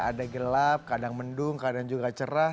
ada gelap kadang mendung kadang juga cerah